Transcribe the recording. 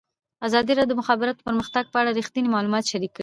ازادي راډیو د د مخابراتو پرمختګ په اړه رښتیني معلومات شریک کړي.